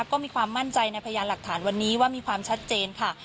ก็มีความมั่นใจในพยานหลักฐานวันนี้ว่ามีความชัดเจนค่ะ